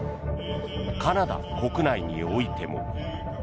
カナダ国内においても。